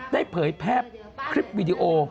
ได้เผยแพพย์คลิปวิดีโอ